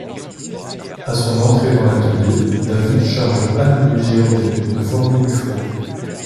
À son entrée dans l'atelier, David charge Anne-Louis Girodet de former Dufau.